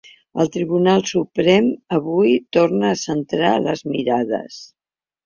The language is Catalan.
El Tribunal Suprem avui torna a centrar les mirades.